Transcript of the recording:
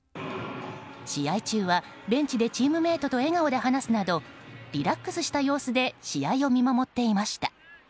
試合中はベンチでチームメートと笑顔で話すなどリラックスした様子で試合を見守っていました。